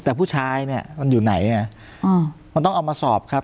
แต่ผู้ชายเนี่ยมันอยู่ไหนอ่ะมันต้องเอามาสอบครับ